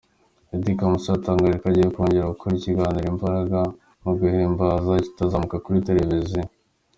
Eddy Kamoso yatangaje agiye kongera gukora ikiganiro "Imbaraga mu guhimbaza" kizatambuka kuri Televiziyo.